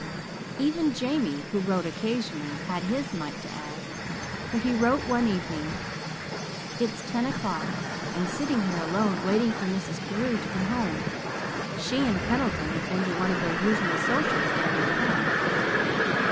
Even Jamie, who wrote occasionally, had his mite to add, for he wrote one evening: "It's ten o'clock. I'm sitting here alone waiting for Mrs. Carew to come home. She and Pendleton have been to one of their usual socials down to the Home."